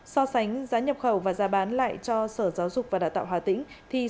so sánh giá nhập khẩu và giá bán lại cho sở giáo dục và đào tạo hà tĩnh